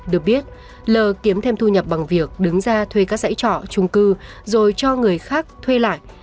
được biết lờ kiếm thêm thu nhập bằng việc đứng ra thuê các dãy trọ trung cư rồi cho người khác thuê lại